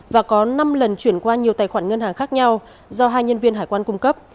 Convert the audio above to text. và có năm lần chuyển qua nhiều tài khoản ngân hàng khác nhau do hai nhân viên hải quan cung cấp